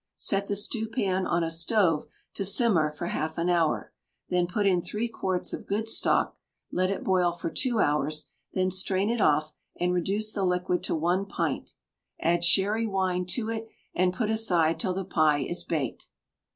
Set the stewpan on a stove to simmer for half an hour, then put in three quarts of good stock; let it boil for two hours, then strain it off, and reduce the liquid to one pint; add sherry wine to it, and put aside till the pie is baked.